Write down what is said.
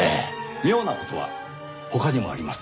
妙な事は他にもあります。